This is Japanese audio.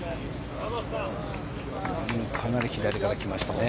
かなり左からきましたね。